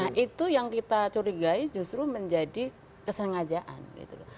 nah itu yang kita curigai justru menjadi kesengajaan gitu loh